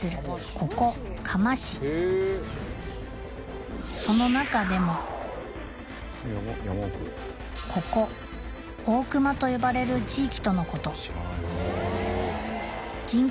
ここ嘉麻市その中でもここ大隈と呼ばれる地域とのこと人口